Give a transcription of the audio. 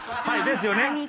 はいですよね。